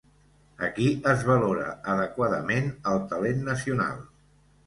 Aquí es valora adequadament el talent nacional.